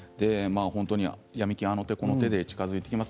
ヤミ金、あの手この手で近づいていきます。